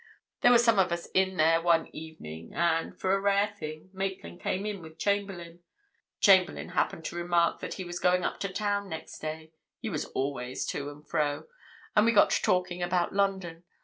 There were some of us in there one evening, and, for a rare thing, Maitland came in with Chamberlayne. Chamberlayne happened to remark that he was going up to town next day—he was always to and fro—and we got talking about London.